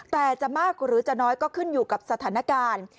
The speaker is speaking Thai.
แต่จะมากหรือจะน้อยก็ขึ้นอยู่กับสถานการณ์